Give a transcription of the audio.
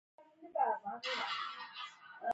د لاس تڼاکه ملغلره ده.